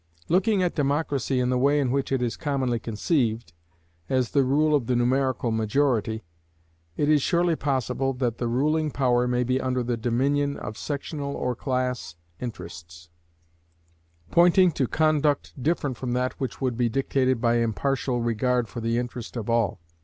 Looking at democracy in the way in which it is commonly conceived, as the rule of the numerical majority, it is surely possible that the ruling power may be under the dominion of sectional or class interests, pointing to conduct different from that which would be dictated by impartial regard for the interest of all.